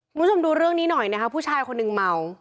คุณผู้ชมดูเรื่องนี้หน่อยนะคะผู้ชายคนหนึ่งเมา